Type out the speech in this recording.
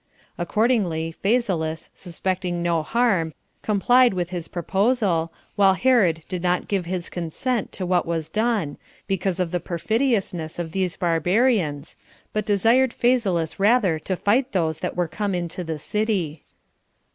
Accordingly, Phasaelus, suspecting no harm, complied with his proposal, while Herod did not give his consent to what was done, because of the perfidiousness of these barbarians, but desired Phasaelus rather to fight those that were come into the city.